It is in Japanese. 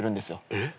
えっ？